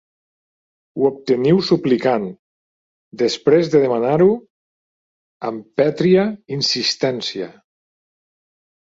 Ho obteniu suplicant, després de demanar-ho amb pètria insistència.